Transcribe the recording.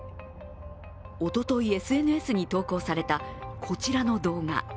おととい、ＳＮＳに投稿されたこちらの動画。